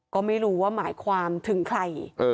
ก็ไม่รู้ว่าหมายความถึงใคร